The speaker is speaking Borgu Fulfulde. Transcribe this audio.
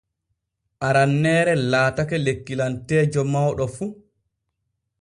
Aranneere laatake lekkilanteejo mawɗo fu.